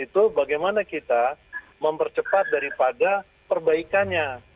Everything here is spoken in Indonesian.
itu bagaimana kita mempercepat daripada perbaikannya